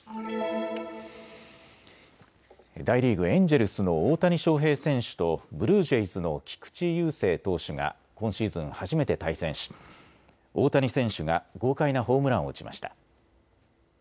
大リーグ、エンジェルスの大谷翔平選手とブルージェイズの菊池雄星投手が今シーズン初めて対戦し大谷選手が豪快なホームランを打ちました。